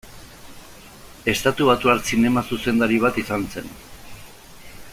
Estatubatuar zinema zuzendari bat izan zen.